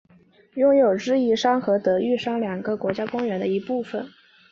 拥有智异山和德裕山两个国家公园的一部份。